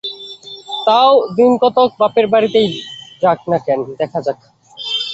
তা ও দিনকতক বাপের বাড়িতেই যাক না কেন, দেখা যাক।